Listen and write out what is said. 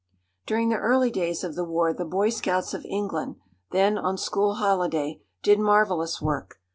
During the early days of the war the boy scouts of England, then on school holiday, did marvellous work.